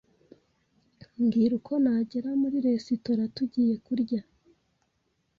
Mbwira uko nagera muri resitora tugiye kurya.